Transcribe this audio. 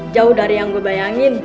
jauh dari yang gue bayangin